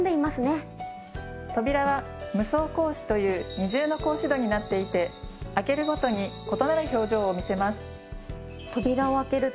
扉は無双格子という二重の格子戸になっていて開けるごとに異なる表情を見せます。